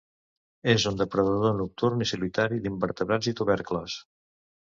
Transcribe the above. És un depredador nocturn i solitari d'invertebrats i tubercles.